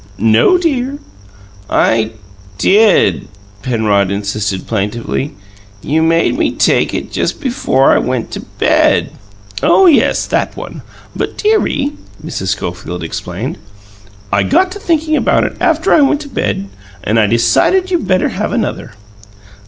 "No, dear." "I did," Penrod insisted plaintively. "You made me take it just before I went to bed." "Oh, yes; THAT one. But, dearie," Mrs. Schofield explained, "I got to thinking about it after I went to bed, and I decided you'd better have another."